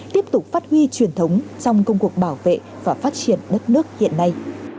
tiếp tục phát huy truyền thống trong công cuộc bảo vệ và phát triển đất nước hiện nay